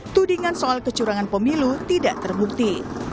tudingan soal kecurangan pemilu tidak terbukti